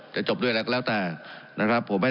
จะจบด้วยอะไรก็แล้วแต่นะครับผม